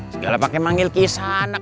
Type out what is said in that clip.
segala pake manggil kesana